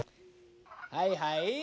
はいはい。